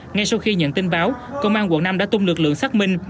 ngay sau khi nhận tin báo công an quận năm đã tung lực lượng xác minh